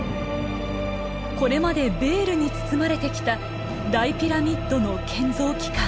これまでベールに包まれてきた大ピラミッドの建造期間。